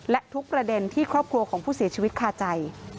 และทุกประเด็นที่ครอบครัวของผู้เสียชีวิตคาใจ